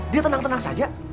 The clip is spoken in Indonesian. dia tenang tenang saja